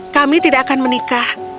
kami tidak akan menikah